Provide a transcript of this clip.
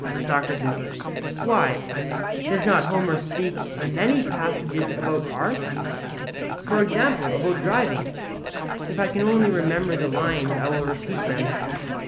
SOCRATES: Why, does not Homer speak in many passages about arts? For example, about driving; if I can only remember the lines I will repeat them.